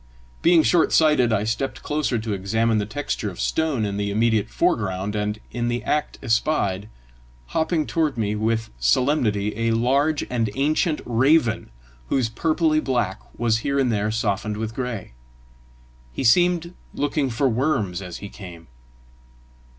Being short sighted, I stepped closer to examine the texture of a stone in the immediate foreground, and in the act espied, hopping toward me with solemnity, a large and ancient raven, whose purply black was here and there softened with gray. He seemed looking for worms as he came.